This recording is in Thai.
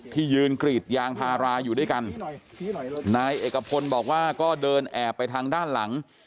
ที่ยืนกรีดยางพาราอยู่ด้วยกันนายเอกพลบอกว่าก็เดินแอบไปทางด้านหลัง